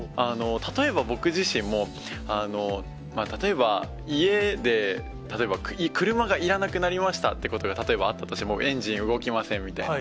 例えば、僕自身も、例えば家で、車がいらなくなりましたっていうことが、例えばあったとして、エンジン動きませんみたいな。